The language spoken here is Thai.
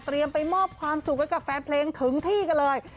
ไปมอบความสุขไว้กับแฟนเพลงถึงที่กันเลย